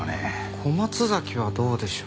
小松崎はどうでしょう？